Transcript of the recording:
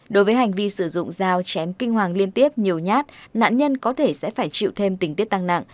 đối với hành vi sử dụng dao chém kinh hoàng liên tiếp nhiều nhát nạn nhân có thể sẽ phải chịu thêm tình tiết tăng nặng